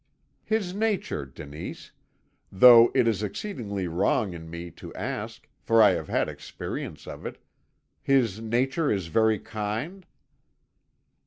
"'His nature, Denise though it is exceedingly wrong in me to ask, for I have had experience of it his nature is very kind?'